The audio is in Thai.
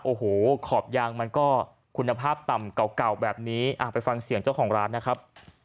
โอ้โหขอบยางมันก็คุณภาพต่ำเก่าแบบนี้ไปฟังเสียงเจ้าของร้านนะครับ